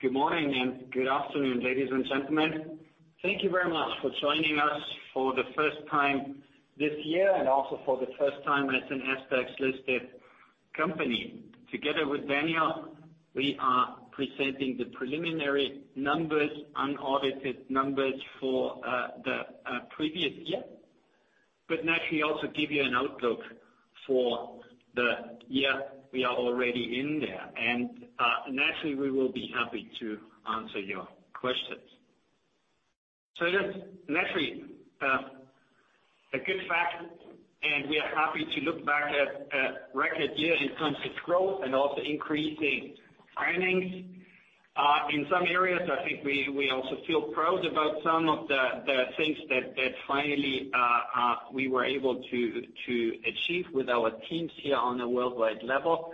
Good morning and good afternoon, ladies and gentlemen. Thank you very much for joining us for the first time this year and also for the first time as an SDAX-listed company. Together with Daniel, we are presenting the preliminary numbers, unaudited numbers for the previous year. Naturally also give you an outlook for the year we are already in there. Naturally, we will be happy to answer your questions. Yes, naturally, a good fact, and we are happy to look back at a record year in terms of growth and also increasing earnings. In some areas, I think we also feel proud about some of the things that finally we were able to achieve with our teams here on a worldwide level.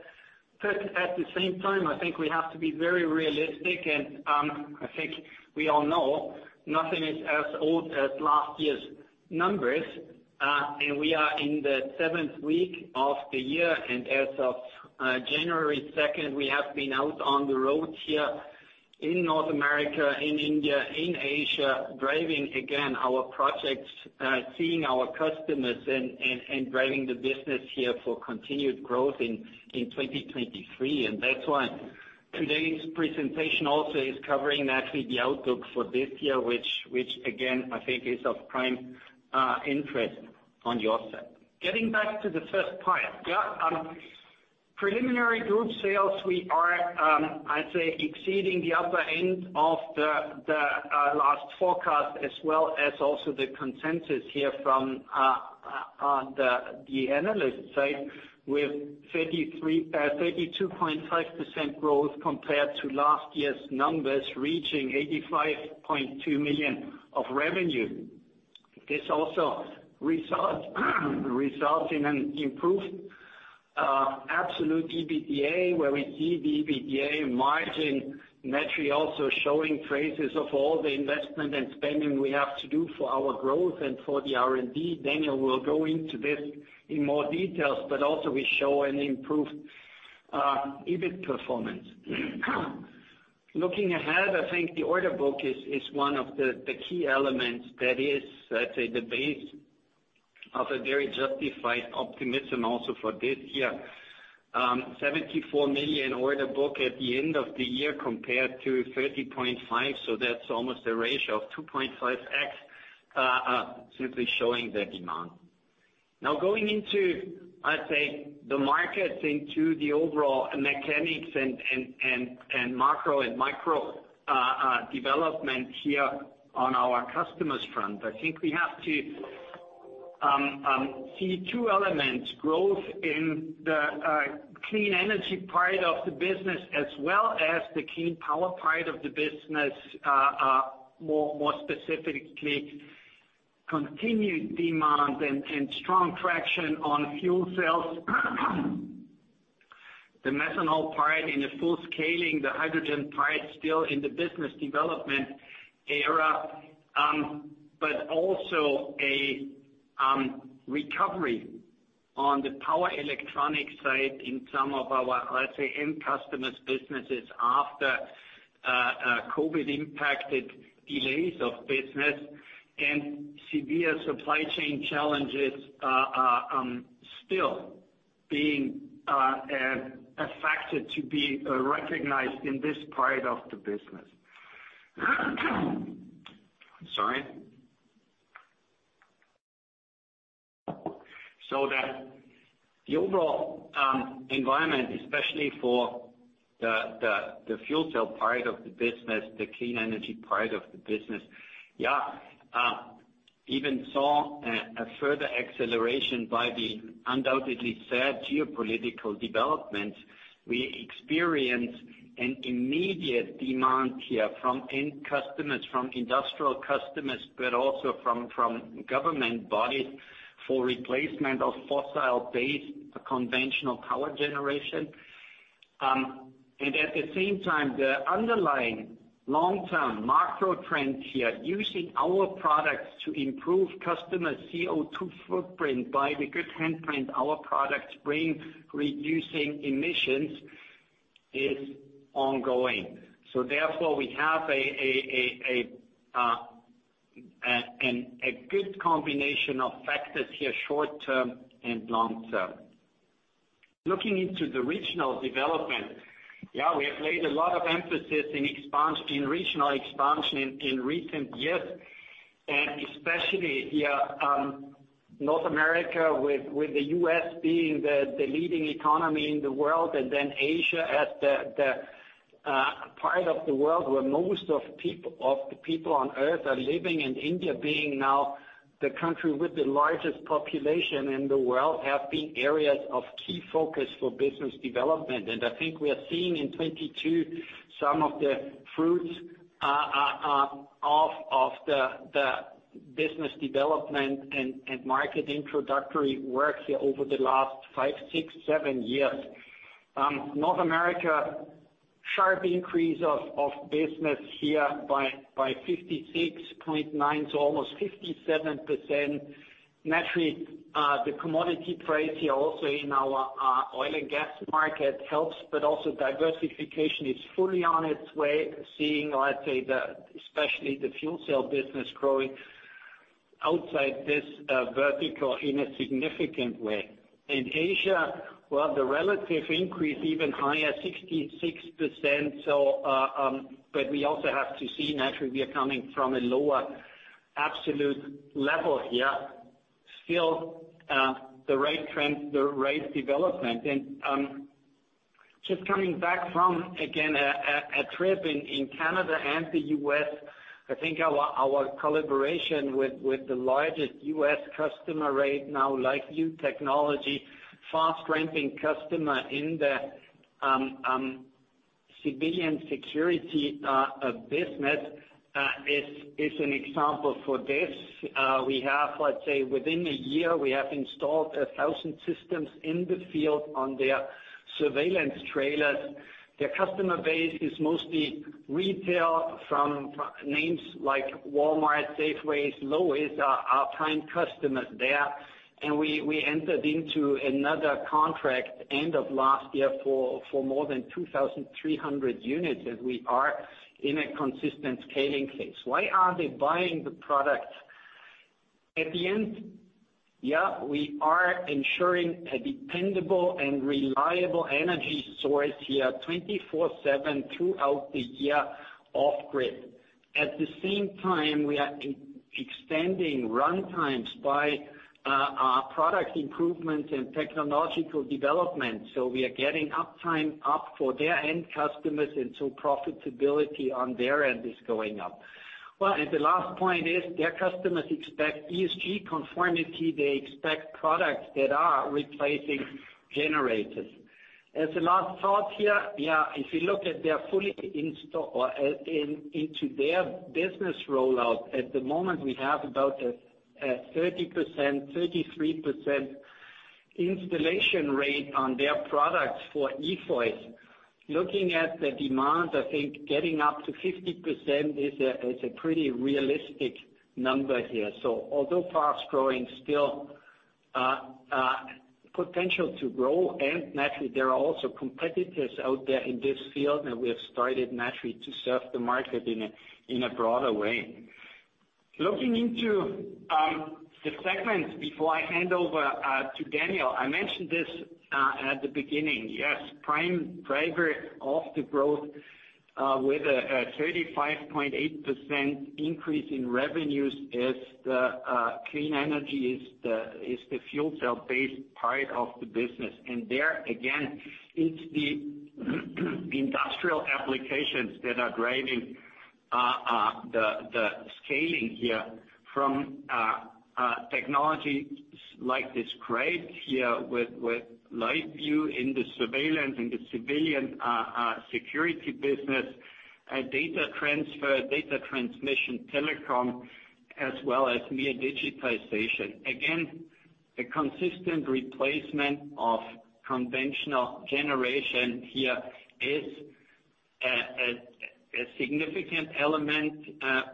At the same time, I think we have to be very realistic and I think we all know nothing is as old as last year's numbers. We are in the 7th week of the year, and as of January 2nd, we have been out on the road here in North America, in India, in Asia, driving again our projects, seeing our customers and driving the business here for continued growth in 2023. That's why today's presentation also is covering actually the outlook for this year, which again, I think is of prime interest on your side. Getting back to the first part, yeah, preliminary group sales, we are, I'd say, exceeding the upper end of the last forecast, as well as also the consensus here from, the analyst side with 32.5% growth compared to last year's numbers, reaching 85.2 million of revenue. This also results in an improved, absolute EBITDA, where we see the EBITDA margin naturally also showing traces of all the investment and spending we have to do for our growth and for the R&D. Daniel will go into this in more details, but also we show an improved, EBIT performance. Looking ahead, I think the order book is one of the key elements that is, let's say, the base of a very justified optimism also for this year. 74 million order book at the end of the year compared to 30.5. That's almost a ratio of 2.5x simply showing the demand. Going into, I'd say, the markets into the overall mechanics and macro and micro development here on our customers front. I think we have to see two elements: growth in the Clean Energy part of the business as well as the Clean Power part of the business, more specifically, continued demand and strong traction on fuel cells. The methanol part in a full scaling, the hydrogen part still in the business development era, but also a recovery on the power electronic side in some of our, let's say, end customers businesses after COVID impacted delays of business and severe supply chain challenges, still being a factor to be recognized in this part of the business. Sorry. The overall environment, especially for the fuel cell part of the business, the Clean Energy part of the business, even saw a further acceleration by the undoubtedly sad geopolitical developments. We experienced an immediate demand here from end customers, from industrial customers, but also from government bodies for replacement of fossil-based conventional power generation. At the same time, the underlying long-term macro trends here, using our products to improve customer CO2 footprint by the good hand print our products bring reducing emissions is ongoing. Therefore, we have a good combination of factors here short term and long term. Looking into the regional development, yeah, we have laid a lot of emphasis in regional expansion in recent years, and especially here, North America, with the U.S. being the leading economy in the world, and then Asia as the part of the world where most of the people on Earth are living, and India being now the country with the largest population in the world, have been areas of key focus for business development. I think we are seeing in 2022 some of the fruits of the business development and market introductory work here over the last five, six, seven years. North America, sharp increase of business here by 56.9%, so almost 57%. Naturally, the commodity price here also in our oil and gas market helps, but also diversification is fully on its way, seeing, let's say, especially the fuel cell business growing Outside this vertical in a significant way. In Asia, well, the relative increase even higher, 66%. We also have to see naturally, we are coming from a lower absolute level here. Still, the right trends, the right development. Just coming back from, again, a trip in Canada and the U.S., I think our collaboration with the largest U.S. customer right now, LiveView Technologies, fast-ramping customer in the civilian security business, is an example for this. We have, let's say, within a year, we have installed 1,000 systems in the field on their surveillance trailers. Their customer base is mostly retail from names like Walmart, Safeway, Lowe's, are prime customers there. We entered into another contract end of last year for more than 2,300 units, and we are in a consistent scaling phase. Why are they buying the product? At the end, yeah, we are ensuring a dependable and reliable energy source here, 24/7 throughout the year off-grid. At the same time, we are Extending runtimes by product improvements and technological development. We are getting uptime up for their end customers, and so profitability on their end is going up. The last point is their customers expect ESG conformity. They expect products that are replacing generators. As a last thought here, if you look at their business rollout, at the moment, we have about a 30%, 33% installation rate on their products for EFOY. Looking at the demand, I think getting up to 50% is a pretty realistic number here. Although fast-growing, still potential to grow. Naturally, there are also competitors out there in this field, and we have started naturally to serve the market in a broader way. Looking into the segments before I hand over to Daniel. I mentioned this at the beginning. Yes, prime driver of the growth with a 35.8% increase in revenues is the Clean Energy is the fuel cell-based part of the business. There, again, it's the industrial applications that are driving the scaling here from technology like this crate here with LiveU in the surveillance, in the civilian security business, data transfer, data transmission, telecom, as well as via digitization. Again, a consistent replacement of conventional generation here is a significant element,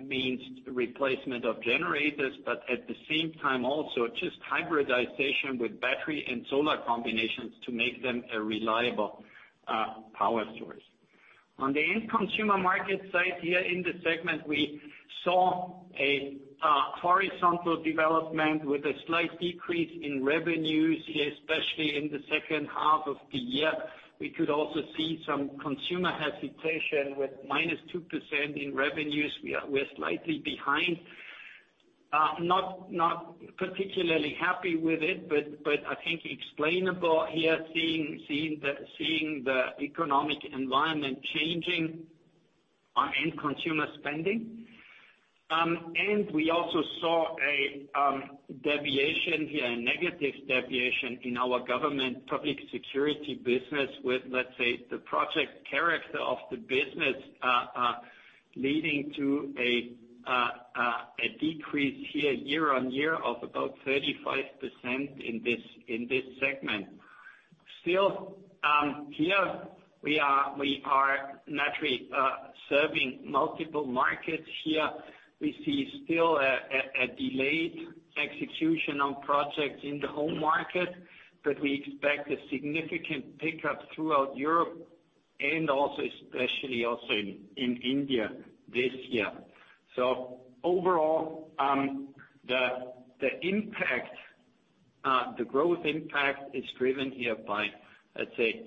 means replacement of generators, but at the same time also just hybridization with battery and solar combinations to make them a reliable power source. On the end consumer market side here in this segment, we saw a horizontal development with a slight decrease in revenues, especially in the second half of the year. We could also see some consumer hesitation with -2% in revenues. We're slightly behind. Not particularly happy with it, but I think explainable here, seeing the economic environment changing our end consumer spending. We also saw a deviation here, a negative deviation in our Government Public Security Business with, let's say, the project character of the business leading to a decrease here year on year of about 35% in this segment. Still, here we are naturally serving multiple markets here. We see still a delayed execution on projects in the home market, but we expect a significant pickup throughout Europe and also, especially in India this year. Overall, the growth impact is driven here by, let's say,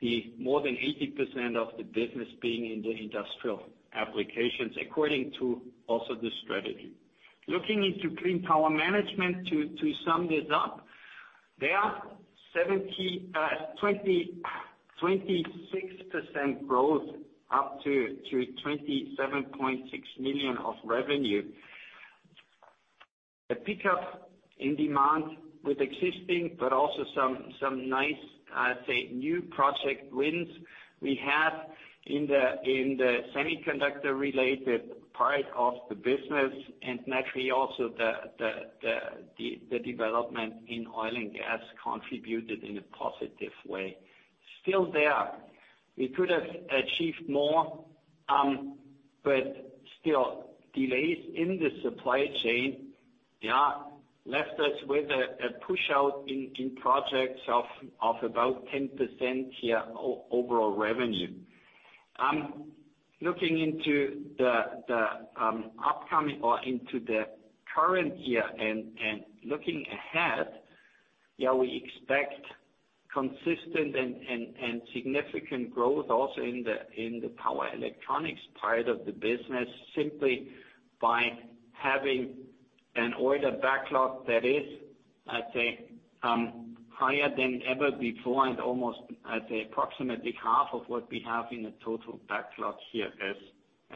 the more than 80% of the business being in the industrial applications, according to also the strategy. Looking into Clean Power Management to sum this up, there are 26% growth up to 27.6 million of revenue. A pickup in demand with existing, but also some nice, I'd say, new project wins we had in the semiconductor-related part of the business. Naturally also the development in oil and gas contributed in a positive way. Still there. We could have achieved more, but still delays in the supply chain left us with a push out in projects of about 10% overall revenue. Looking into the upcoming or into the current year and looking ahead, we expect consistent and significant growth also in the power electronics part of the business, simply by having an order backlog that is, I'd say, higher than ever before and almost, I'd say, approximately half of what we have in the total backlog here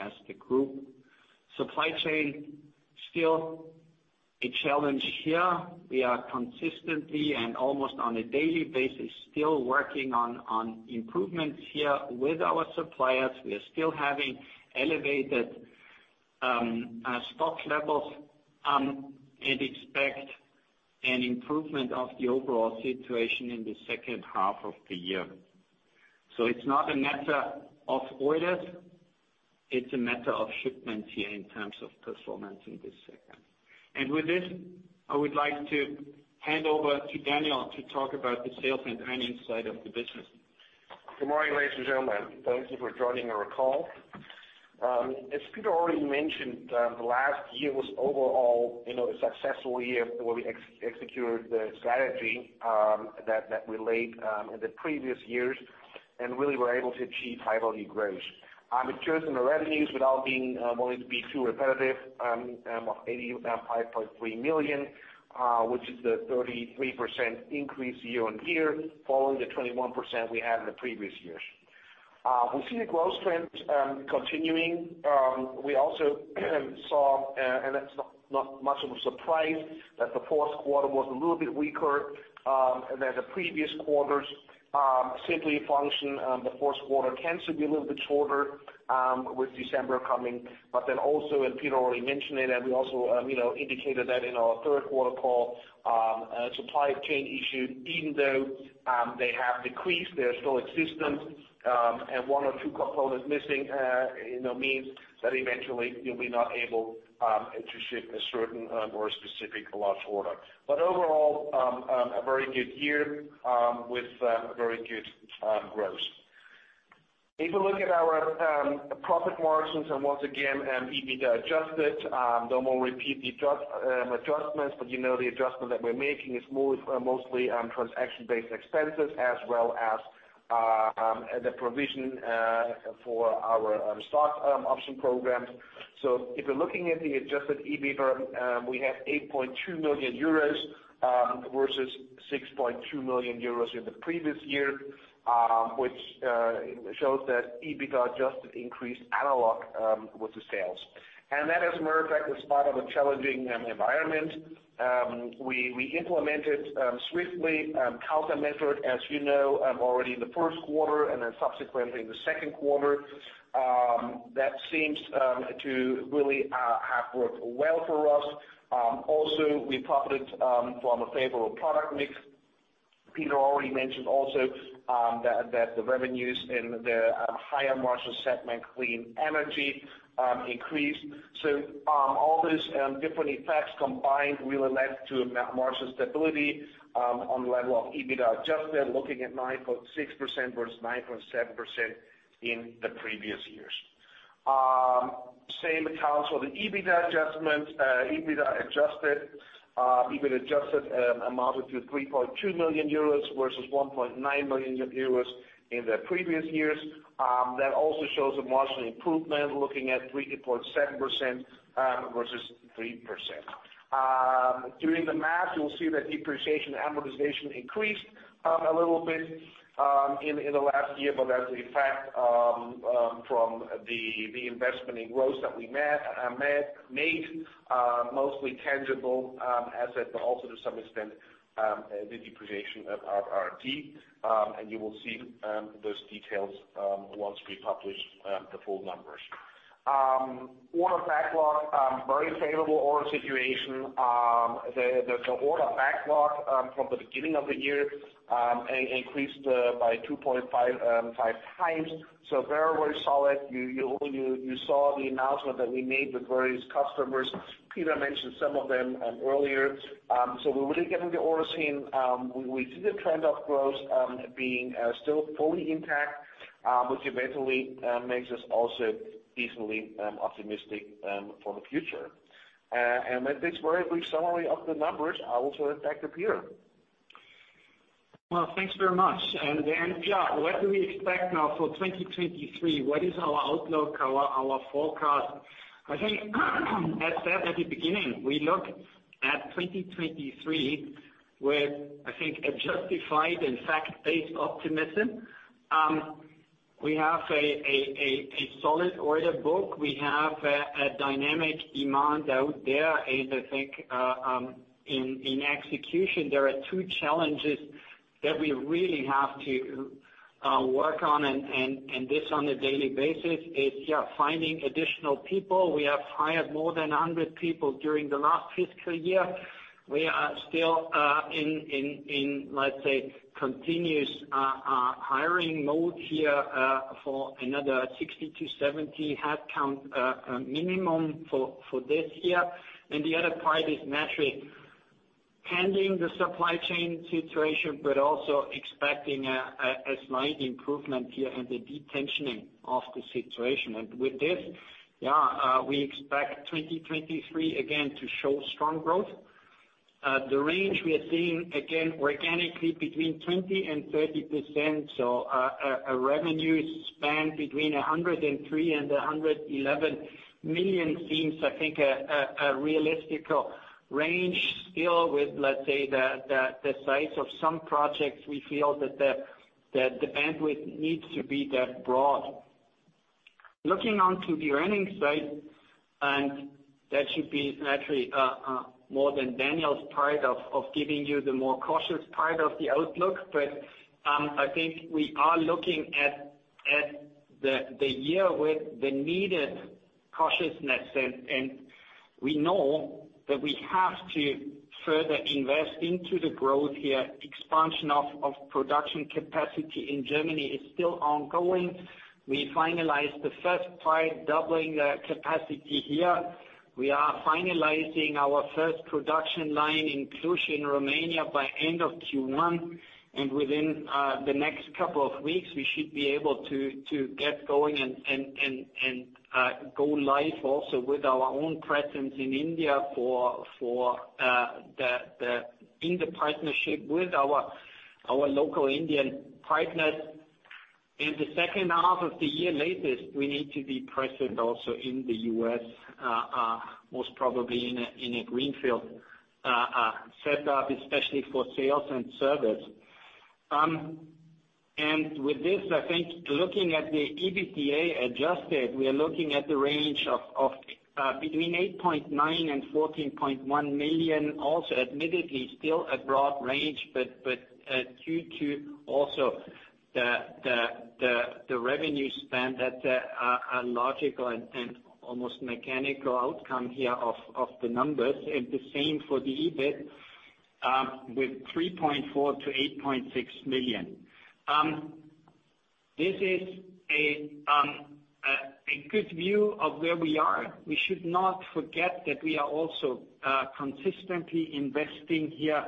as the group. Supply chain, still a challenge here. We are consistently and almost on a daily basis still working on improvements here with our suppliers. We are still having elevated stock levels and expect an improvement of the overall situation in the second half of the year. It's not a matter of orders, it's a matter of shipments here in terms of performance in this second. With this, I would like to hand over to Daniel to talk about the sales and earnings side of the business. Good morning, ladies and gentlemen. Thank you for joining our call. As Peter already mentioned, the last year was overall, you know, a successful year where we executed the strategy that we laid in the previous years and really were able to achieve high volume growth. In terms of the revenues without being wanting to be too repetitive, of 85.3 million, which is the 33% increase year-on-year following the 21% we had in the previous years. We see the growth trends continuing. We also saw, and that's not much of a surprise, that the Q4 was a little bit weaker than the previous quarters. Simply a function, the Q4 tends to be a little bit shorter with December coming. Peter already mentioned it, and we also, you know, indicated that in our Q3 call, supply chain issue, even though they have decreased, they still exist. One or two components missing, you know, means that eventually you'll be not able to ship a certain or a specific large order. Overall, a very good year with very good growth. If you look at our profit margins, and once again, EBITDA adjusted, no more repeat the adjustments, but, you know, the adjustment that we're making is mostly transaction-based expenses as well as the provision for our stock option programs. If you're looking at the adjusted EBITDA, we have 8.2 million euros versus 6.2 million euros in the previous year, which shows that EBITDA adjusted increased analog with the sales. That, as a matter of fact, was part of a challenging environment. We implemented swiftly countermeasure as you know already in the Q1 and then subsequently in the Q2. That seems to really have worked well for us. Also we profited from a favorable product mix. Peter already mentioned also that the revenues in the higher margin segment Clean Energy increased. All these different effects combined really led to margin stability on the level of EBITDA adjusted, looking at 9.6% versus 9.7% in the previous years. Same accounts for the EBITDA adjustments. EBITDA adjusted amounted to 3.2 million euros versus 1.9 million euros in the previous years. That also shows a margin improvement, looking at 3.7% versus 3%. During the math, you'll see that depreciation amortization increased a little bit in the last year, but that's the effect from the investment in growth that we made, mostly tangible asset, but also to some extent the depreciation of R&D. You will see those details once we publish the full numbers. Order backlog, very favorable order situation. The order backlog from the beginning of the year increased by 2.55x. Very solid. You saw the announcement that we made with various customers. Peter mentioned some of them earlier. We're really getting the order seen. We see the trend of growth being still fully intact, which eventually makes us also decently optimistic for the future. With this very brief summary of the numbers, I will hand back to Peter. Well, thanks very much. Yeah, what do we expect now for 2023? What is our outlook, our forecast? I think as said at the beginning, we look at 2023 with, I think, a justified and fact-based optimism. We have a solid order book. We have a dynamic demand out there. I think in execution, there are two challenges that we really have to work on and this on a daily basis is, yeah, finding additional people. We have hired more than 100 people during the last fiscal year. Still in, let's say, continuous hiring mode here for another 60-70 headcount minimum for this year. The other part is naturally handling the supply chain situation, but also expecting a slight improvement here and the de-tensioning of the situation. With this, we expect 2023 again to show strong growth. The range we are seeing, again, organically between 20%-30%. A revenue span between 103 million-111 million seems, I think, a realistic range still with, let's say, the size of some projects, we feel that the bandwidth needs to be that broad. Looking onto the earnings side, that should be naturally, more than Daniel's part of giving you the more cautious part of the outlook. I think we are looking at the year with the needed cautiousness. We know that we have to further invest into the growth here. Expansion of production capacity in Germany is still ongoing. We finalized the first part, doubling the capacity here. We are finalizing our first production line in Cluj, Romania by end of Q1. Within the next couple of weeks, we should be able to get going and go live also with our own presence in India in the partnership with our local Indian partners. In the second half of the year latest, we need to be present also in the US, most probably in a greenfield set up especially for sales and service. With this, I think looking at the adjusted EBITDA, we are looking at the range of between 8.9 million and 14.1 million. Admittedly, still a broad range, but due to the revenue spend that are logical and almost mechanical outcome here of the numbers. The same for the EBIT, with 3.4 million-8.6 million. This is a good view of where we are. We should not forget that we are also consistently investing here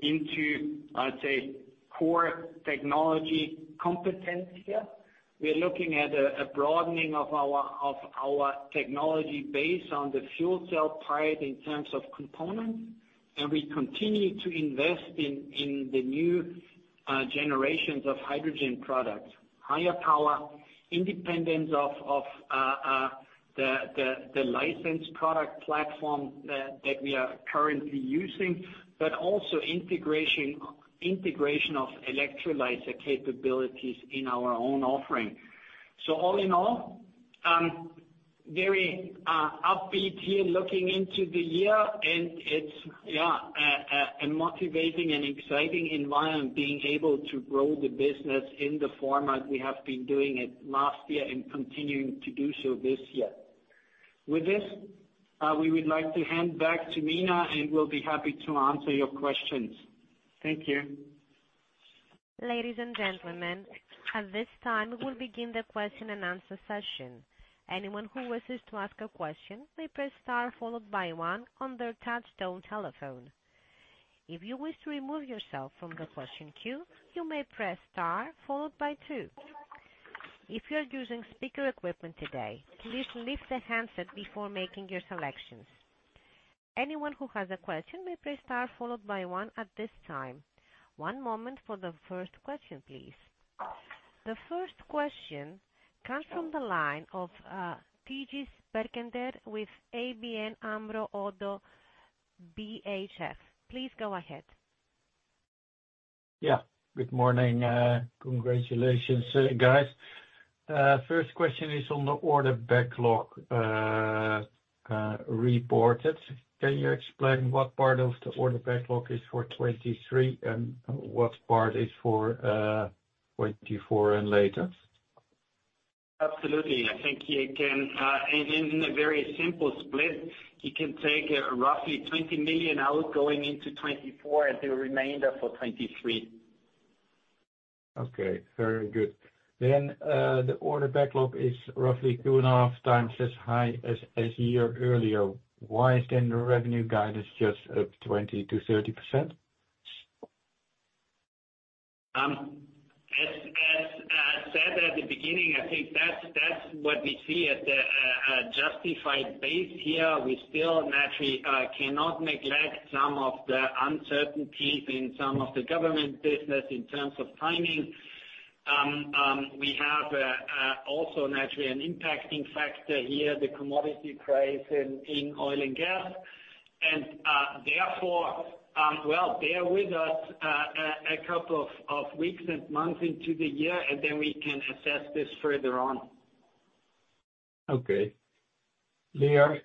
into, let's say, core technology competence here. We are looking at a broadening of our technology base on the fuel cell part in terms of components, and we continue to invest in the new generations of hydrogen products. Higher power, independent of the license product platform that we are currently using, but also integration of electrolyzer capabilities in our own offering. All in all, very upbeat here looking into the year, and it's, yeah, a motivating and exciting environment, being able to grow the business in the format we have been doing it last year and continuing to do so this year. With this, we would like to hand back to Mina, and we'll be happy to answer your questions. Thank you. Ladies and gentlemen, at this time, we'll begin the question and answer session. Anyone who wishes to ask a question may press star followed by one on their touchtone telephone. If you wish to remove yourself from the question queue, you may press star followed by two. If you're using speaker equipment today, please lift the handset before making your selections. Anyone who has a question may press star followed by one at this time. One moment for the first question, please. The first question comes from the line of Thijs Berkelder with ABN AMRO – ODDO BHF. Please go ahead. Yeah. Good morning. Congratulations, guys. First question is on the order backlog, reported. Can you explain what part of the order backlog is for 2023 and what part is for 2024 and later? Absolutely. I think you can. In a very simple split, you can take roughly 20 million out going into 2024 and the remainder for 2023. Okay, very good. The order backlog is roughly 2.5x as high as year earlier. Why is then the revenue guidance just 20%-30%? As said at the beginning, I think that's what we see as a justified base here. We still naturally cannot neglect some of the uncertainty in some of the government business in terms of timing. We have also naturally an impacting factor here, the commodity price in oil and gas. Therefore, well, bear with us a couple of weeks and months into the year, and then we can assess this further on. Clear,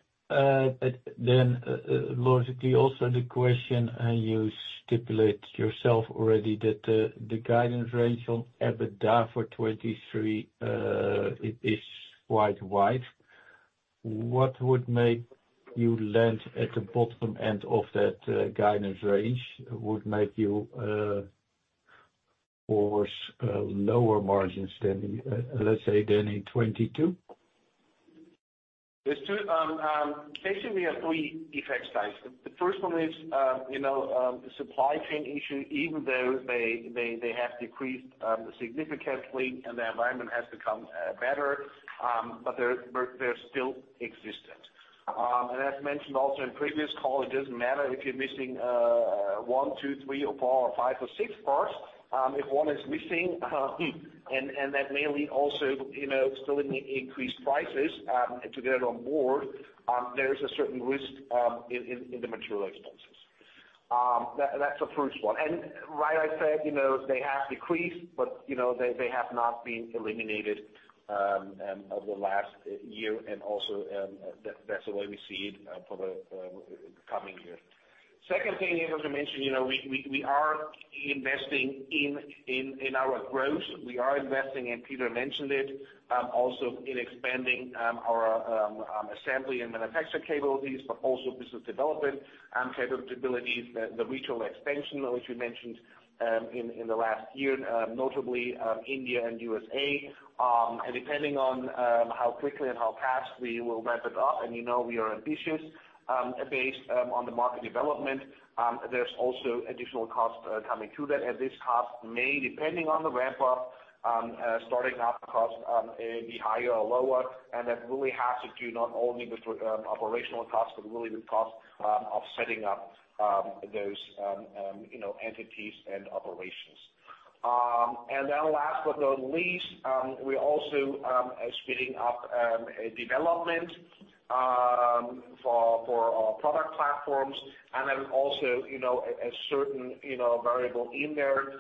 logically also the question, you stipulate yourself already that, the guidance range on EBITDA for 2023, it is quite wide. What would make you land at the bottom end of that, guidance range? What make you force lower margins than, let's say than in 2022? Basically, we have three effect sizes. The first one is, you know, supply chain issue, even though they have decreased significantly and the environment has become better, but they still existent. As mentioned also in previous call, it doesn't matter if you're missing one, two, three or four or five or six parts, if one is missing, and that mainly also, you know, still increased prices to get on board, there's a certain risk in the material expenses. That's the first one. Right, I said, you know, they have decreased, but, you know, they have not been eliminated over last year and also, that's the way we see it for the coming year. Second thing, as I mentioned, you know, we are investing in our growth. We are investing, and Peter mentioned it, also in expanding our assembly and manufacture capabilities, but also business development and capabilities, the regional expansion, which we mentioned in the last year, notably, India and USA. Depending on how quickly and how fast we will ramp it up, and you know, we are ambitious, based on the market development, there's also additional costs coming to that. This cost may, depending on the ramp up, starting up costs, be higher or lower. That really has to do not only with operational costs, but really the cost of setting up those, you know, entities and operations. Last but not the least, we also are speeding up development for our product platforms and then also, you know, a certain, you know, variable in there,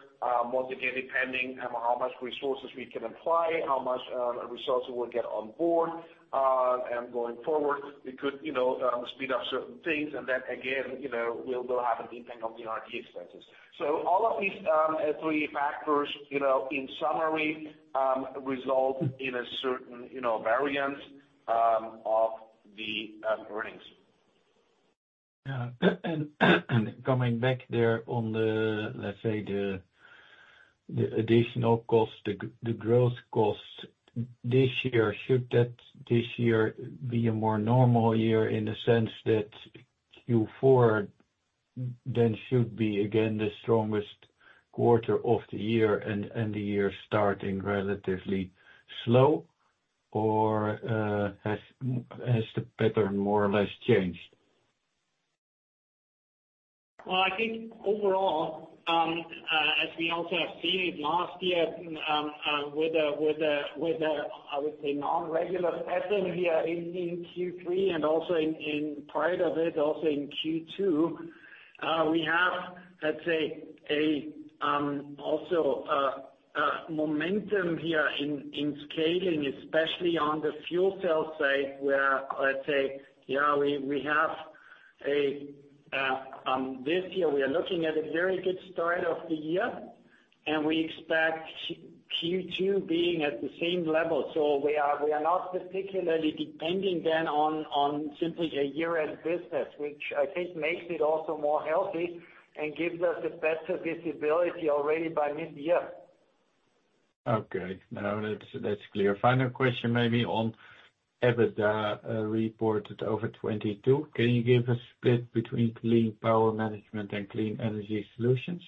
once again, depending on how much resources we can apply, how much resources we'll get on board, and going forward, we could, you know, speed up certain things and then again, you know, we'll have an impact on the R&D expenses. All of these three factors, you know, in summary, result in a certain, you know, variance of the earnings. Yeah. Coming back there on the, let's say, the additional cost, the growth cost this year. Should that this year be a more normal year in the sense that Q4 then should be again the strongest quarter of the year and the year starting relatively slow? Has the pattern more or less changed? I think overall, as we also have seen it last year, with a I would say non-regular pattern here in Q3 and also in part of it also in Q2, we have a also a momentum here in scaling, especially on the fuel cell side, where we have a this year we are looking at a very good start of the year, and we expect Q2 being at the same level. We are not particularly depending then on simply a year-end business, which I think makes it also more healthy and gives us a better visibility already by mid-year. Okay. No, that's clear. Final question maybe on EBITDA reported over 2022. Can you give a split between Clean Power Management and Clean Energy Solutions?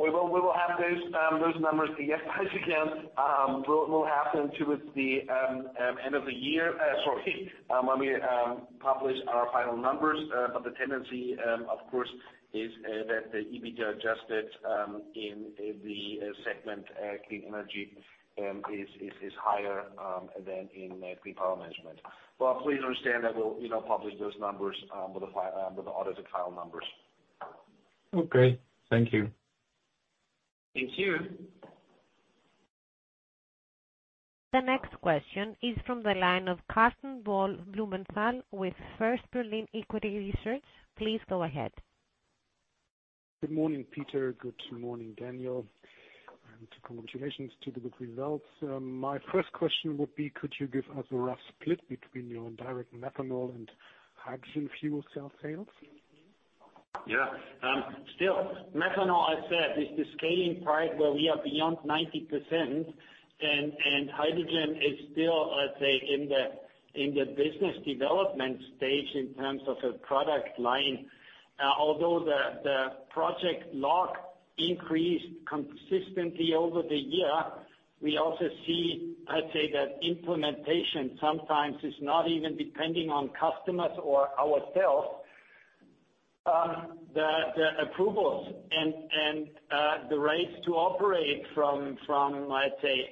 We will have those numbers, yes, again, we'll have them towards the end of the year, sorry, when we publish our final numbers. The tendency, of course, is that the EBITDA adjusted in the segment Clean Energy is higher than in Clean Power Management. Please understand that we'll, you know, publish those numbers with the audited final numbers. Okay. Thank you. Thank you. The next question is from the line of Karsten von Blumenthal with First Berlin Equity Research. Please go ahead. Good morning, Peter. Good morning, Daniel. Congratulations to the good results. My first question would be, could you give us a rough split between your direct methanol and hydrogen fuel cell sales? Still methanol, I said, is the scaling part where we are beyond 90% and hydrogen is still, let's say, in the business development stage in terms of a product line. Although the project log increased consistently over the year, we also see, I'd say that implementation sometimes is not even depending on customers or ourselves. The approvals and the rates to operate from, let's say,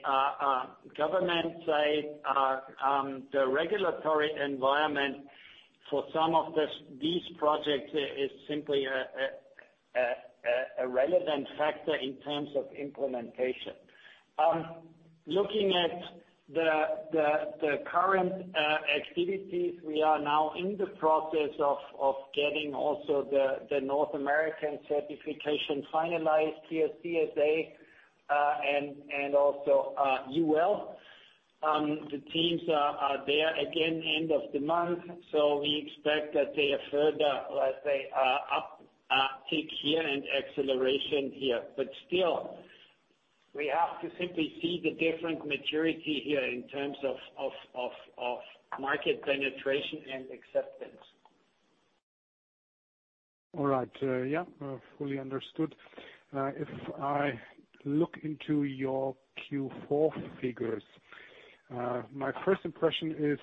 government side, the regulatory environment for some of these projects is simply a relevant factor in terms of implementation. Looking at the current activities, we are now in the process of getting also the North American certification finalized here, CSA. Also, UL. The teams are there again end of the month, so we expect that they have further, let's say, up tick here and acceleration here. Still, we have to simply see the different maturity here in terms of market penetration and acceptance. All right. Yeah, fully understood. If I look into your Q4 figures, my first impression is,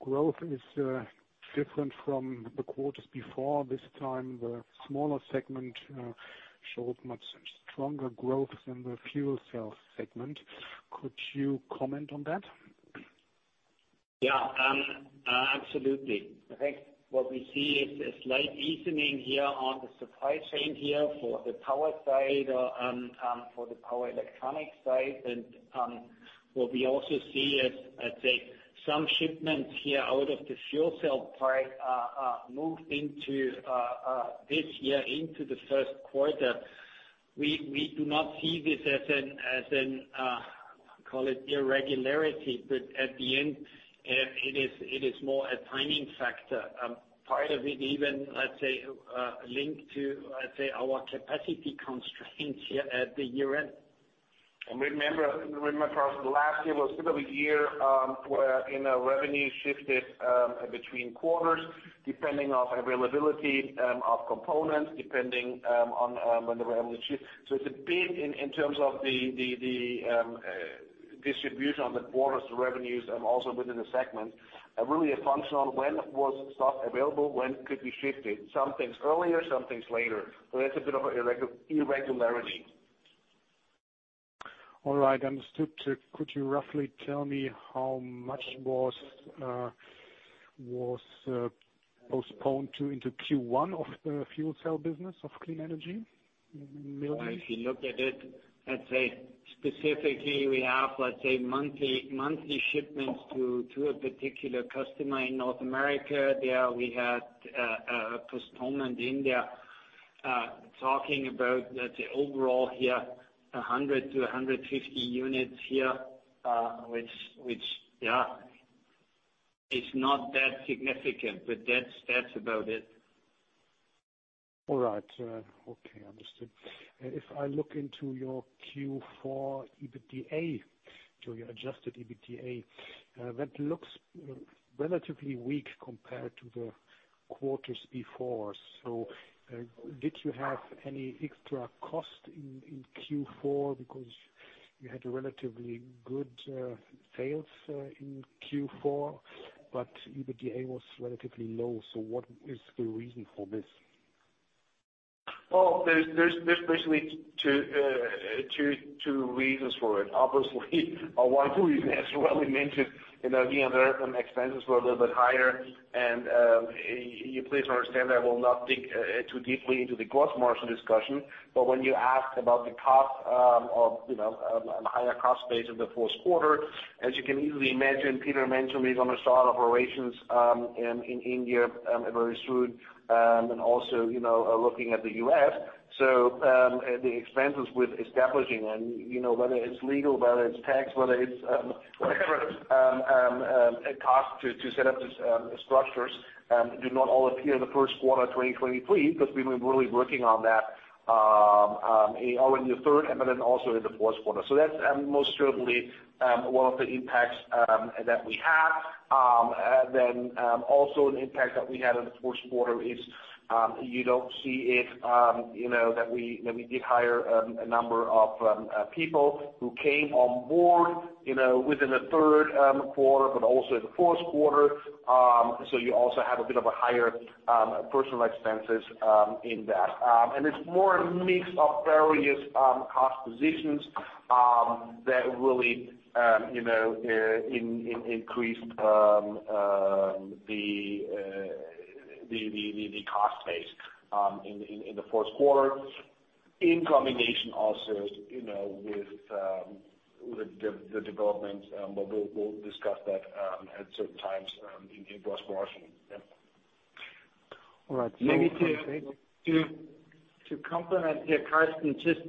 growth is different from the quarters before. This time the smaller segment showed much stronger growth than the fuel cell segment. Could you comment on that? Yeah. Absolutely. I think what we see is a slight easing here on the supply chain here for the power side, for the power electronics side. What we also see is, I'd say some shipments here out of the fuel cell part, moved into this year into the Q1. We do not see this as an irregularity, but at the end, it is more a timing factor. Part of it even, let's say, linked to, let's say our capacity constraints here at the year end. Remember, Karsten, last year was a bit of a year, you know, where revenue shifted between quarters depending on availability of components, depending on when the revenue shift. It's a bit in terms of the distribution on the quarters revenues and also within the segment, really a function on when was stock available, when could we ship it. Some things earlier, some things later. That's a bit of a irregularity. All right. Understood. Could you roughly tell me how much was postponed to, into Q1 of the fuel cell business of Clean Energy in EUR millions? If you look at it, I'd say specifically we have, let's say, monthly shipments to a particular customer in North America. There we had a postponement in there, talking about let's say overall here, 100 to 150 units here, which, yeah, is not that significant, but that's about it. All right. Okay. Understood. If I look into your Q4 EBITDA, so your adjusted EBITDA, that looks relatively weak compared to the quarters before. Did you have any extra cost in Q4 because you had relatively good sales in Q4, but EBITDA was relatively low. What is the reason for this? Well, there's basically two reasons for it. Obviously, or one two reason as well we mentioned, you know, the under expenses were a little bit higher and you please understand I will not dig too deeply into the gross margin discussion. When you ask about the cost, of, you know, higher cost base in the Q4, as you can easily imagine, Peter mentioned we're gonna start operations in India very soon. Also, you know, looking at the U.S. The expenses with establishing and, you know, whether it's legal, whether it's tax, whether it's whatever cost to set up the structures do not all appear in the Q1 of 2023, because we've been really working on that in early the third and then also in the Q4. That's most certainly one of the impacts that we have. And then also an impact that we had in the Q4 is, you don't see it, you know, that we did hire a number of people who came on board, you know, within the Q3 but also in the Q4. You also have a bit of a higher personal expenses in that. It's more a mix of various cost positions that really increased the cost base in the Q4 in combination also, you know, with the developments, but we'll discuss that at certain times in gross margin. Yeah. All right. Maybe to complement here, Karsten, just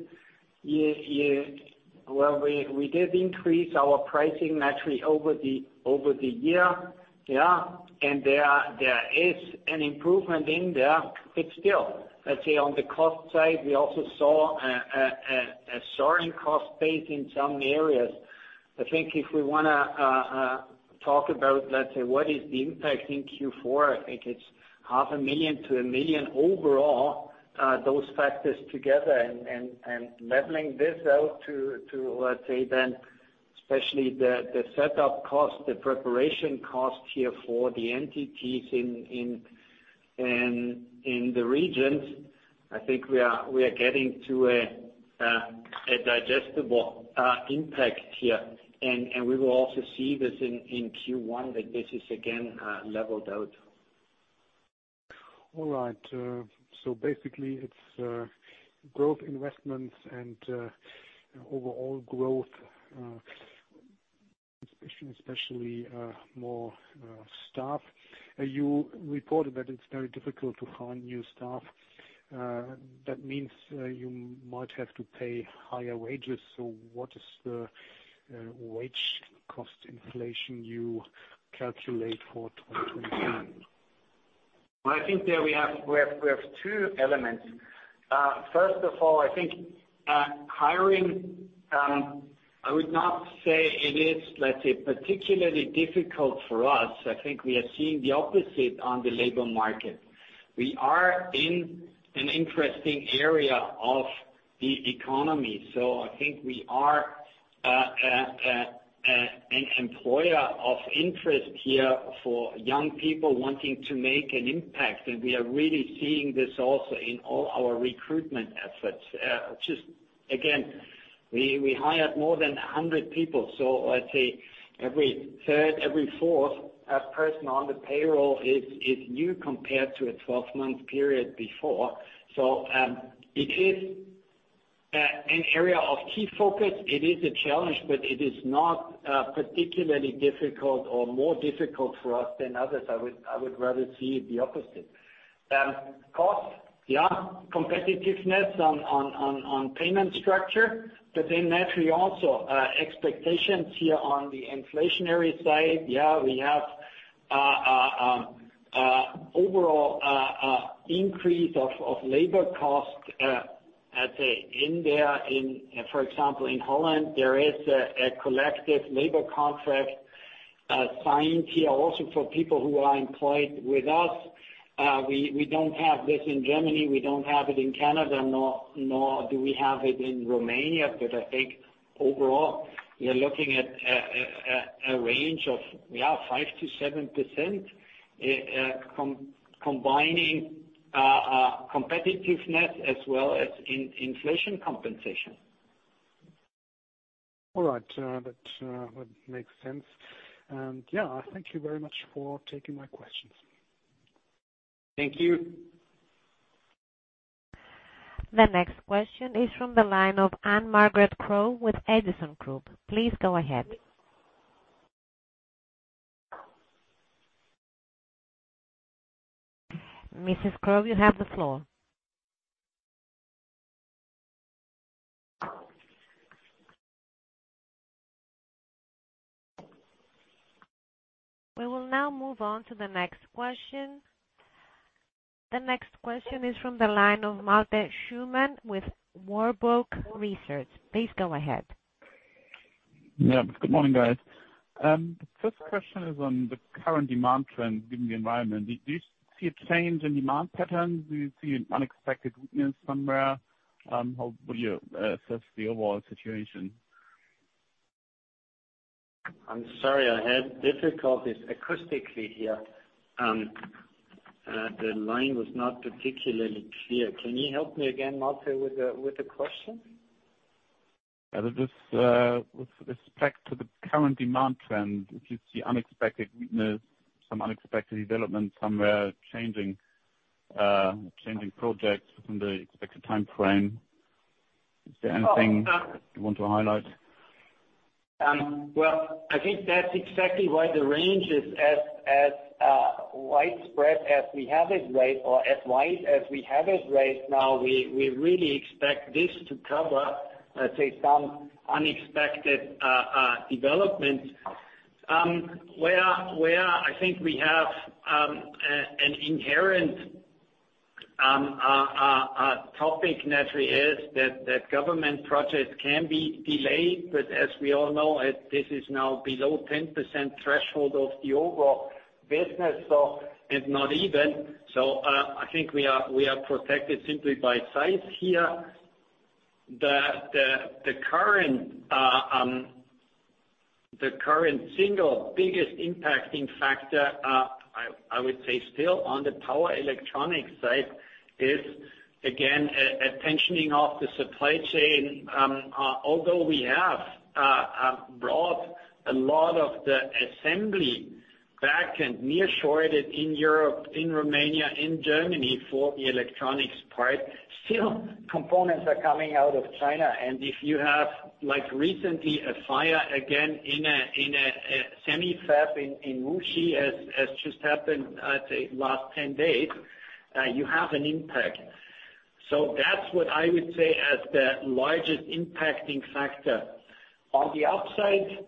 well, we did increase our pricing naturally over the year. Yeah. There is an improvement in there, but still, let's say on the cost side, we also saw a soaring cost base in some areas. I think if we wanna talk about, let's say, what is the impact in Q4, I think it's 0.5 million to 1 million overall, those factors together and leveling this out to let's say then especially the setup cost, the preparation cost here for the entities in the regions. We will also see this in Q1 that this is again leveled out. All right. Basically it's growth investments and overall growth, especially more staff. You reported that it's very difficult to find new staff, that means you might have to pay higher wages. What is the wage cost inflation you calculate for 2020? Well, I think there we have two elements. First of all, I think hiring, I would not say it is, let's say, particularly difficult for us. I think we are seeing the opposite on the labor market. We are in an interesting area of the economy, so I think we are an employer of interest here for young people wanting to make an impact. We are really seeing this also in all our recruitment efforts. Just again, we hired more than 100 people. I'd say every 3rd, every 4th person on the payroll is new compared to a 12-month period before. It is an area of key focus. It is a challenge, but it is not particularly difficult or more difficult for us than others. I would rather see it the opposite. cost, yeah, competitiveness on payment structure. Naturally also expectations here on the inflationary side. Yeah, we have a overall increase of labor costs, I'd say, in there. In, for example, in Holland, there is a collective labor contract signed here also for people who are employed with us. We don't have this in Germany, we don't have it in Canada, nor do we have it in Romania. I think overall you're looking at a range of, yeah, 5%-7% combining competitiveness as well as inflation compensation. All right. That would make sense. Yeah, thank you very much for taking my questions. Thank you. The next question is from the line of Anne Margaret Crow with Edison Group. Please go ahead. Mrs. Crow, you have the floor. We will now move on to the next question. The next question is from the line of Malte Schaumann with Warburg Research. Please go ahead. Good morning, guys. First question is on the current demand trend given the environment. Do you see a change in demand patterns? Do you see an unexpected weakness somewhere? How would you assess the overall situation? I'm sorry, I had difficulties acoustically here. The line was not particularly clear. Can you help me again, Malte, with the question? This, with respect to the current demand trend, if you see unexpected, some unexpected development somewhere changing projects from the expected timeframe. Is there anything you want to highlight? Well, I think that's exactly why the range is as widespread as we have it right or as wide as we have it right now. We really expect this to cover, let's say some unexpected development. Where I think we have an inherent a topic naturally is that government projects can be delayed, but as we all know, this is now below 10% threshold of the overall business, and not even. I think we are protected simply by size here. The current single biggest impacting factor I would say still on the power electronics side is again a tensioning of the supply chain. Although we have brought a lot of the assembly back and near shored it in Europe, in Romania, in Germany for the electronics part. Still components are coming out of China. If you have like recently a fire again in a semi fab in Wuxi, as just happened, I'd say last 10 days, you have an impact. That's what I would say as the largest impacting factor. On the upside,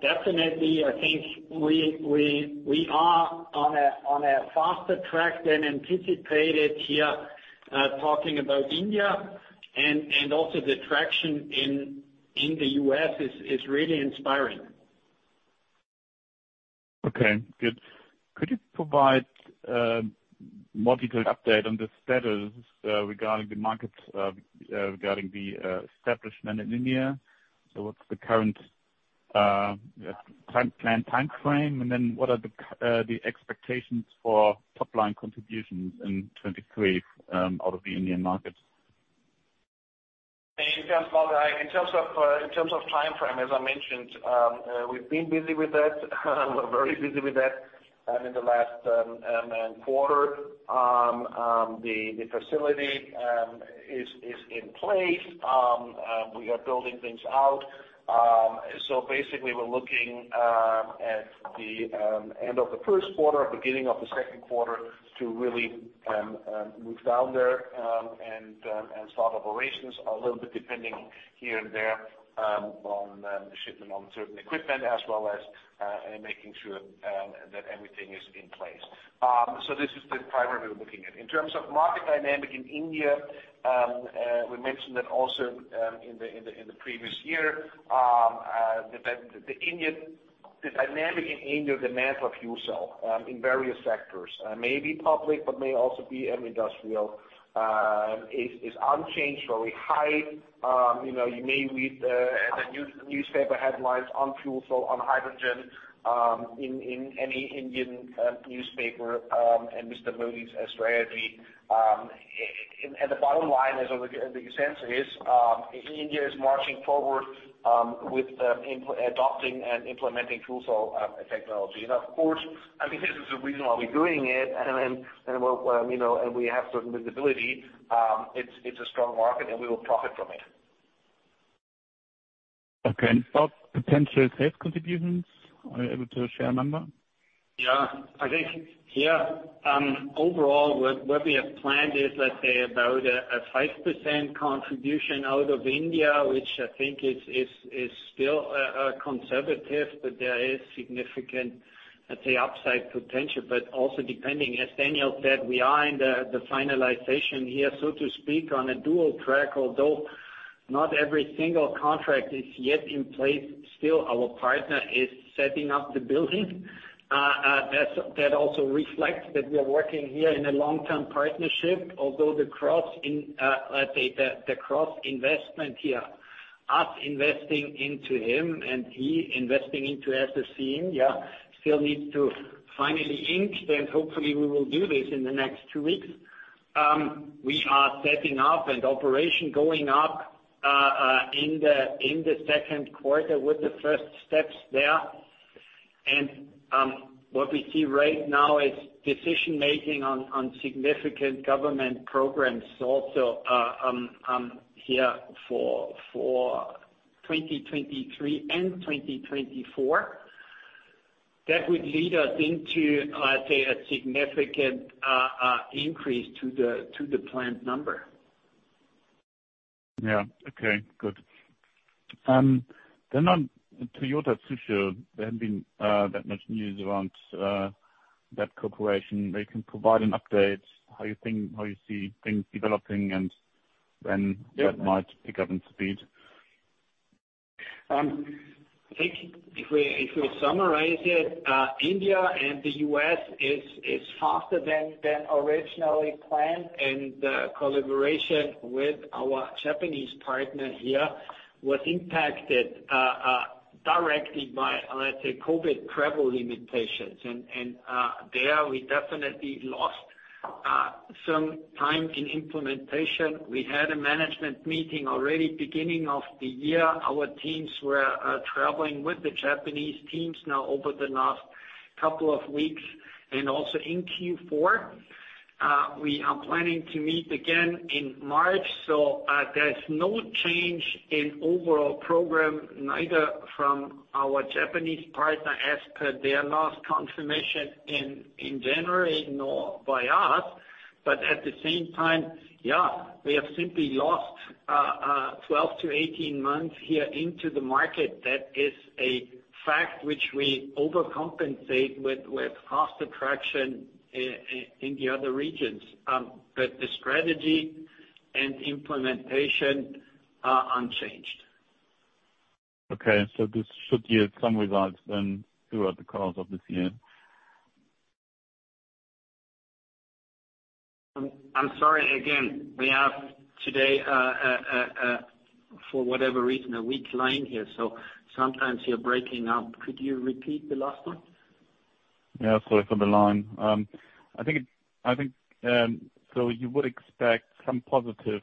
definitely I think we are on a faster track than anticipated here, talking about India and also the traction in the US is really inspiring. Okay, good. Could you provide more detailed update on the status regarding the markets regarding the establishment in India? What's the current time plan, time frame? What are the expectations for top line contributions in 2023 out of the Indian markets? In terms of, in terms of time frame, as I mentioned, we've been busy with that. We're very busy with that. In the last quarter, the facility is in place. We are building things out. Basically we're looking at the end of the Q1, beginning of the Q2 to really move down there and start operations a little bit depending here and there on the shipment on certain equipment as well as making sure that everything is in place. This is the time that we're looking at. In terms of market dynamic in India, we mentioned that also in the previous year, that the dynamic in India demand for fuel cell in various sectors, may be public, but may also be industrial, is unchanged, very high. You know, you may read the newspaper headlines on fuel cell, on hydrogen, in any Indian newspaper, and Mr. Modi's strategy. The bottom line is, or the sense is, India is marching forward with adopting and implementing fuel cell technology. Of course, I think this is the reason why we're doing it. We'll, you know, and we have certain visibility, it's a strong market and we will profit from it. Okay. About potential sales contributions, are you able to share a number? I think, overall, what we have planned is, let's say, about a 5% contribution out of India, which I think is still conservative, but there is significant, let's say, upside potential. Also depending, as Daniel said, we are in the finalization here, so to speak, on a dual track. Although not every single contract is yet in place, still our partner is setting up the building. That's, that also reflects that we are working here in a long-term partnership. Although the cross in, let's say the cross-investment here, us investing into him and he investing into SFC, still needs to finally ink. We will do this in the next two weeks. We are setting up and operation going up in the 2Q with the first steps there. What we see right now is decision-making on significant government programs also here for 2023 and 2024. That would lead us into, let's say, a significant increase to the planned number. Yeah. Okay, good. On Toyota Tsusho, there haven't been that much news around that cooperation. They can provide an update, how you think, how you see things developing and when- Yeah. that might pick up in speed. I think if we summarize it, India and the U.S. is faster than originally planned. The collaboration with our Japanese partner here was impacted directly by COVID travel limitations. There we definitely lost some time in implementation. We had a management meeting already beginning of the year. Our teams were traveling with the Japanese teams now over the last couple of weeks. Also in Q4, we are planning to meet again in March. There's no change in overall program, neither from our Japanese partner as per their last confirmation in January, nor by us. At the same time, we have simply lost 12 months-18 months here into the market. That is a fact which we overcompensate with faster traction in the other regions. The strategy and implementation are unchanged. Okay. This should yield some results then throughout the course of this year. I'm sorry, again, we have today, for whatever reason, a weak line here, so sometimes you're breaking up. Could you repeat the last one? Yeah, sorry for the line. I think, you would expect some positive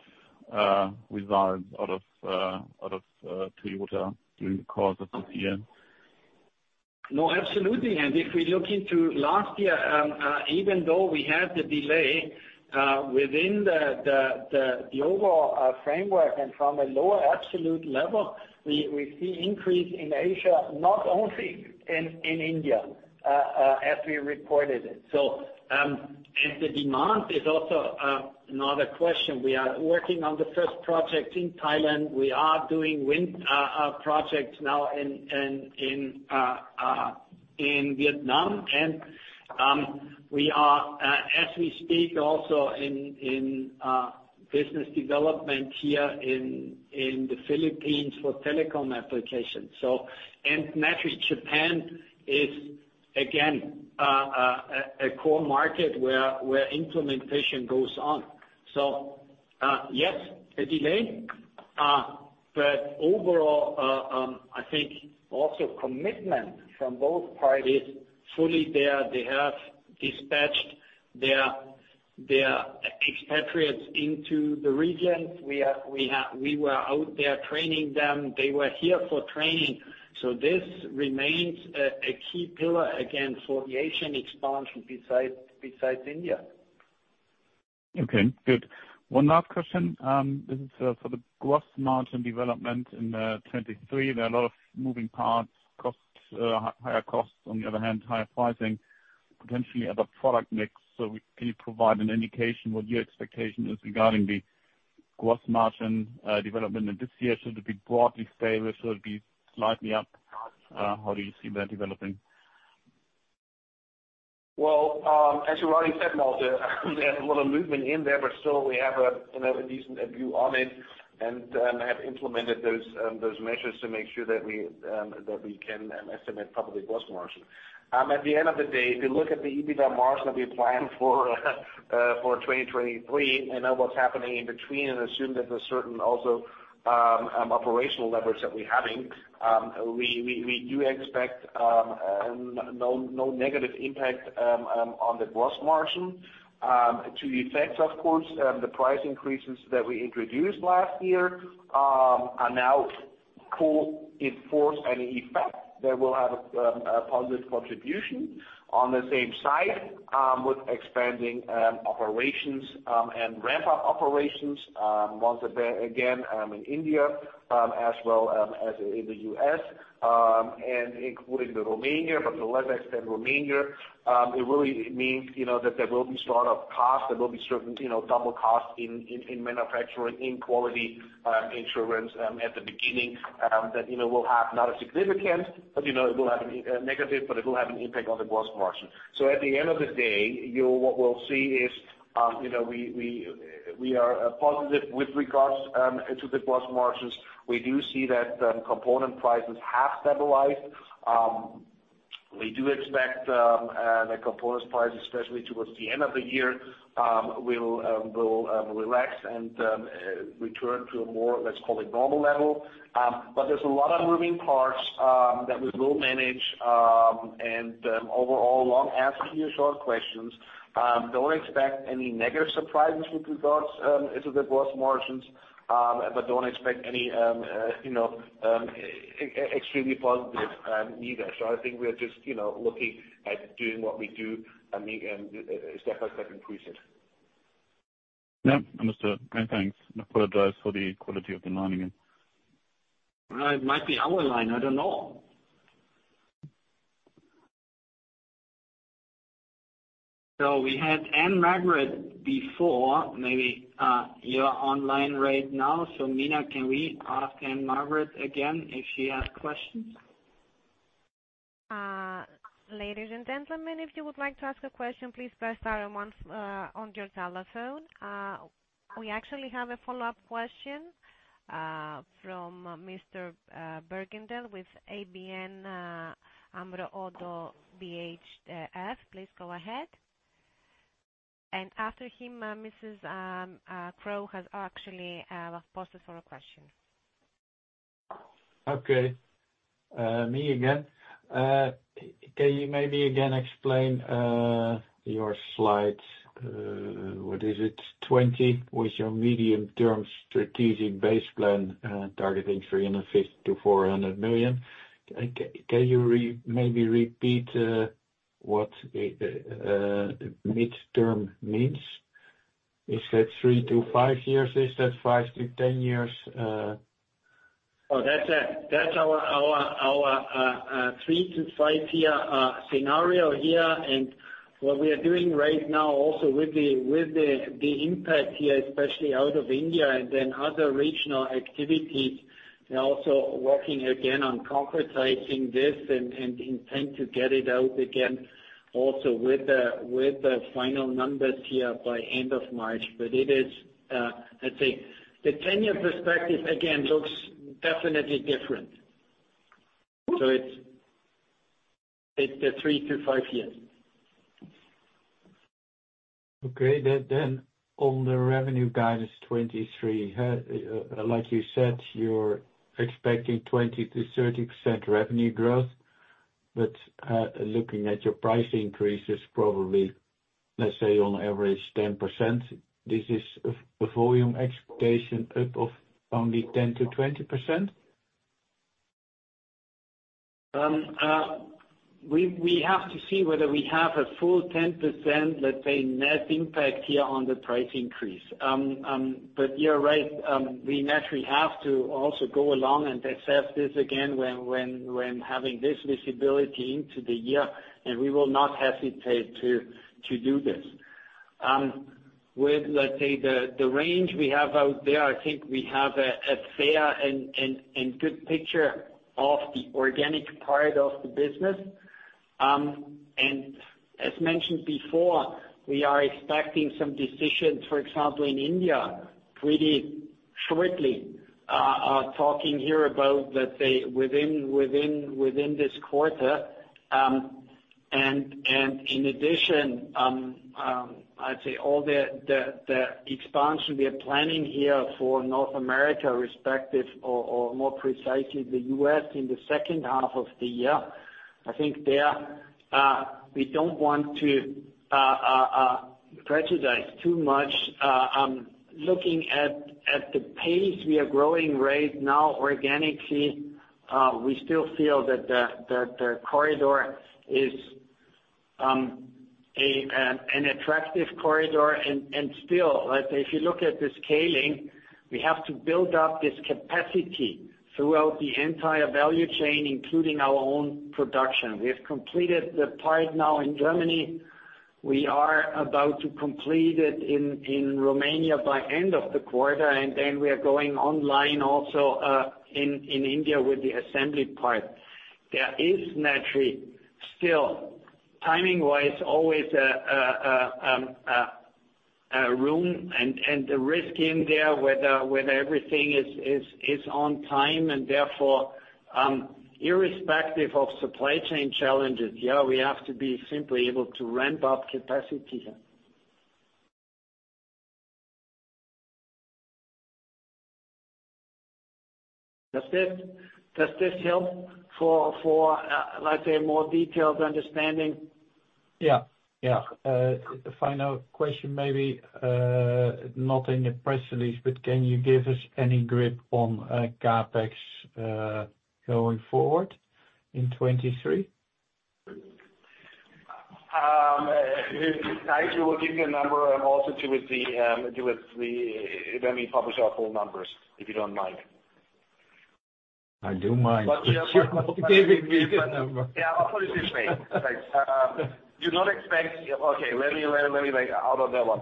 results out of Toyota during the course of this year. No, absolutely. If we look into last year, even though we had the delay within the overall framework and from a lower absolute level, we see increase in Asia, not only in India, as we reported it. The demand is also not a question. We are working on the first project in Thailand. We are doing wind projects now in Vietnam. We are as we speak also in business development here in the Philippines for telecom applications. Naturally, Japan is again a core market where implementation goes on. Yes, a delay, but overall, I think also commitment from both parties fully there. They have dispatched Their expatriates into the region. We were out there training them. They were here for training. This remains a key pillar, again, for the Asian expansion besides India. Okay, good. One last question. This is for the gross margin development in 2023. There are a lot of moving parts, costs, higher costs, on the other hand, higher pricing, potentially other product mix. Can you provide an indication what your expectation is regarding the gross margin development in this year? Should it be broadly stable? Should it be slightly up? How do you see that developing? Well, as you already said, Malte, there's a lot of movement in there, but still we have a, you know, a decent view on it and have implemented those measures to make sure that we, that we can estimate probably gross margin. At the end of the day, if you look at the EBITDA margin that we planned for 2023 and know what's happening in between and assume that there's certain also, operational leverage that we're having, we do expect no negative impact on the gross margin. To the effects, of course, the price increases that we introduced last year, are now full in force and effect that will have a positive contribution. On the same side, with expanding operations, and ramp-up operations, once again, in India, as well as in the U.S., and including the Romania, but to a lesser extent, Romania, it really means, you know, that there will be startup costs, there will be certain, you know, double costs in manufacturing, in quality, insurance, at the beginning, that, you know, will have not a significant, but you know, it will have a negative, but it will have an impact on the gross margin. At the end of the day, what we'll see is, you know, we are positive with regards to the gross margins. We do see that component prices have stabilized. We do expect the component prices, especially towards the end of the year, will relax and return to a more, let's call it, normal level. There's a lot of moving parts that we will manage, and overall, long answer to your short questions, don't expect any negative surprises with regards to the gross margins, but don't expect any, you know, extremely positive, neither. I think we are just, you know, looking at doing what we do and step by step increase it. Yeah, understood. Many thanks. I apologize for the quality of the line again. It might be our line. I don't know. We had Anne Margaret before. Maybe, you're online right now. Mina, can we ask Anne Margaret again if she has questions? Ladies and gentlemen, if you would like to ask a question, please press star and one on your telephone. We actually have a follow-up question from Mr. Berkelder with ABN AMRO ODDO BHF. Please go ahead. After him, Mrs. Crow has actually posted for a question. Okay, me again. Can you maybe again explain your slides, what is it, 20, with your medium-term strategic base plan, targeting 350 million-400 million? Can you maybe repeat what midterm means? Is that three to five years? Is that fiive to 10 years? That's our three to five year scenario here. What we are doing right now also with the, with the impact here, especially out of India and then other regional activities, and also working again on concretizing this and intend to get it out again also with the, with the final numbers here by end of March. It is, I'd say the ten-year perspective, again, looks definitely different. It's a three to five years. On the revenue guidance 2023, like you said, you're expecting 20%-30% revenue growth, looking at your price increases probably, let's say on average 10%, this is a volume expectation up of only 10%-20%? We have to see whether we have a full 10%, let's say, net impact here on the price increase. You're right, we naturally have to also go along and assess this again when having this visibility into the year, and we will not hesitate to do this. With, let's say, the range we have out there, I think we have a fair and good picture of the organic part of the business. As mentioned before, we are expecting some decisions, for example, in India pretty shortly. Talking here about, let's say, within this quarter. In addition, I'd say all the expansion we are planning here for North America or more precisely, the US in the second half of the year, I think there. We don't want to prejudice too much. Looking at the pace we are growing rate now organically, we still feel that the corridor is an attractive corridor and still, like, if you look at the scaling, we have to build up this capacity throughout the entire value chain, including our own production. We have completed the part now in Germany. We are about to complete it in Romania by end of the quarter, and then we are going online also in India with the assembly part. There is naturally still, timing wise, always a room and a risk in there whether everything is on time and therefore, irrespective of supply chain challenges, yeah, we have to be simply able to ramp up capacity. Does this help for let's say more detailed understanding? Yeah. Yeah. final question, maybe, not in your press release, but can you give us any grip on CapEx going forward in 2023? I actually will give you a number. Let me publish our full numbers, if you don't mind. I do mind. Give me the number. Yeah, I'll put it this way. Do you not expect? Okay, let me make out of that one.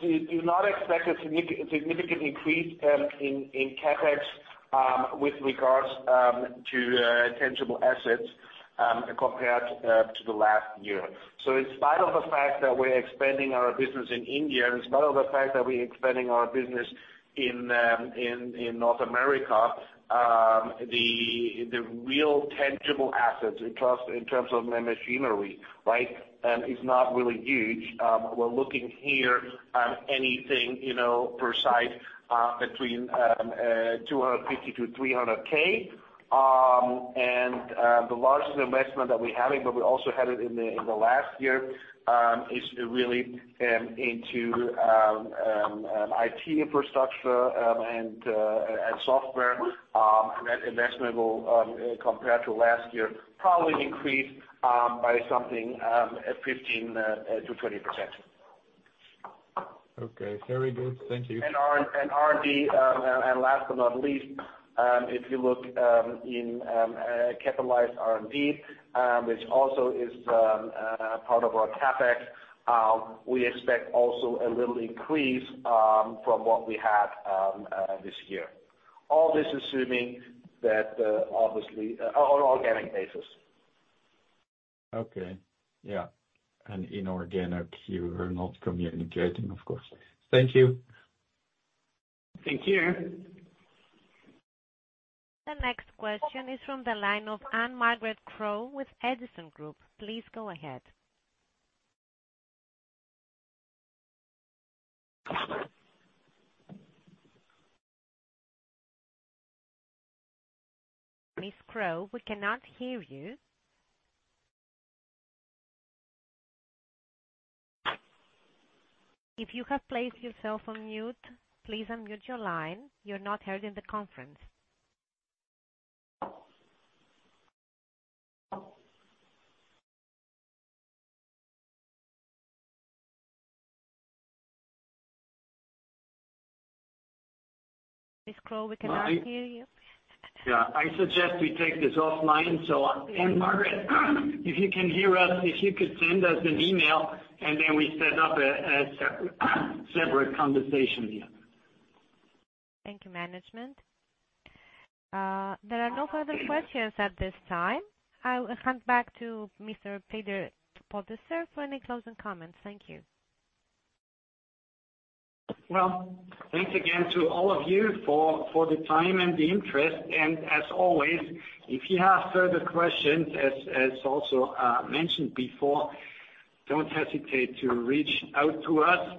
Do you not expect a significant increase in CapEx with regards to tangible assets compared to the last year? In spite of the fact that we're expanding our business in India, in spite of the fact that we're expanding our business in North America, the real tangible assets in terms of the machinery, right? Is not really huge. We're looking here, anything, you know, precise, between 250K-300K. The largest investment that we're having, but we also had it in the, in the last year, is really, into, IT infrastructure, and software. That investment will, compared to last year, probably increase, by something, at 15%-20%. Okay. Very good. Thank you. R&D, and last but not least, if you look in capitalized R&D, which also is part of our CapEx, we expect also a little increase from what we had this year. All this assuming that obviously on an organic basis. Okay. Yeah. Inorganic, you are not communicating, of course. Thank you. Thank you. The next question is from the line of Anne Margaret Crow with Edison Group. Please go ahead. Ms. Crow, we cannot hear you. If you have placed yourself on mute, please unmute your line. You're not heard in the conference. Ms. Crow, we cannot hear you. Yeah. I suggest we take this offline. Anne Margaret, if you can hear us, if you could send us an email, and then we set up a separate conversation here. Thank you, management. There are no further questions at this time. I will hand back to Mr. Peter Podesser for any closing comments. Thank you. Well, thanks again to all of you for the time and the interest. As always, if you have further questions, as also mentioned before, don't hesitate to reach out to us,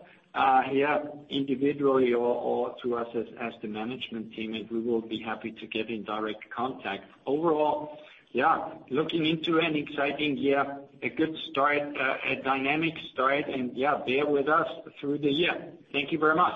here individually or to us as the management team. We will be happy to get in direct contact. Overall, yeah, looking into an exciting year, a good start, a dynamic start. Yeah, bear with us through the year. Thank you very much.